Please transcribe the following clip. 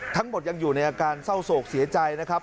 ทั้งหมดยังอยู่ในอาการเศร้าโศกเสียใจนะครับ